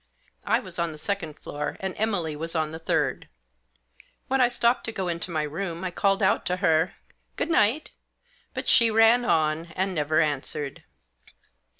I was on the second floor, and Emily was on the third. When I stopped to go into my room I called out to her, " Good night !" but she ran on, and never answered.